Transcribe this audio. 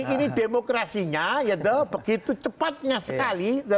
ini demokrasinya begitu cepatnya sekali